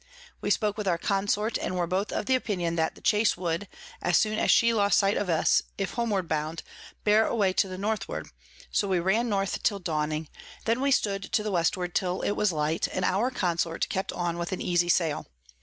We spoke with our Consort, and were both of opinion that the Chase would, as soon as she lost sight of us, if homeward bound, bear away to the Northward; so we ran North till Dawning: then we stood to the Westward till it was light, and our Consort kept on with an easy Sail.